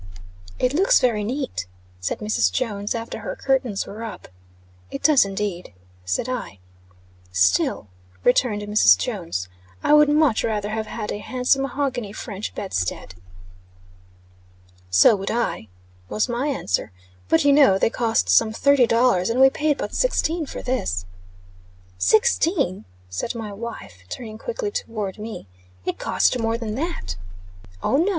"It looks very neat," said Mrs. Jones, after her curtains were up. "It does, indeed," said I. "Still," returned Mrs. Jones, "I would much rather have had a handsome mahogany French bedstead." "So would I," was my answer. "But you know they cost some thirty dollars, and we paid but sixteen for this." "Sixteen!" said my wife, turning quickly toward me. "It cost more than that." "Oh, no.